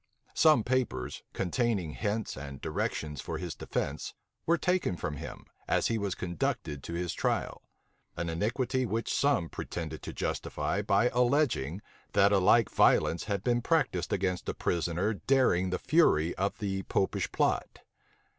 Some papers, containing hints and directions for his defence, were taken from him, as he was conducted to his trial; an iniquity which some pretended to justify by alleging, that a like violence had been practised against a prisoner daring the fury of the Popish plot.